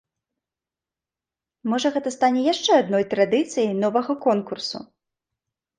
Можа, гэта стане яшчэ адной традыцыяй новага конкурсу?